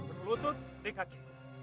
harus berlutut di kaki